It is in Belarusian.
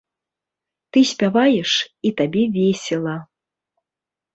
Ты спяваеш, і табе весела.